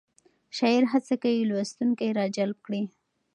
شاعر هڅه کوي لوستونکی راجلب کړي.